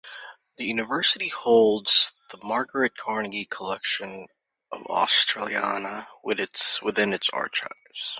The university holds the Margaret Carnegie Collection of Australiana within its archives.